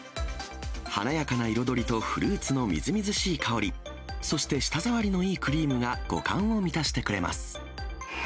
華やかな彩りとフルーツのみずみずしい香り、そして舌触りのいいクリームが五感を満たしてくれます。